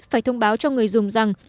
phải thông báo cho người dùng rằng